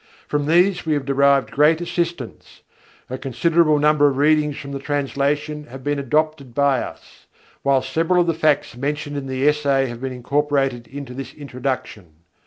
From these we have derived great assistance. A considerable number of readings from the translation have been adopted by us; whilst several of the facts mentioned in the essay have been incorporated into this introduction.